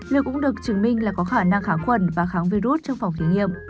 liệu cũng được chứng minh là có khả năng kháng khuẩn và kháng virus trong phòng thí nghiệm